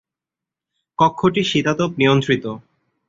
কক্ষটি শীতাতপ নিয়ন্ত্রিত।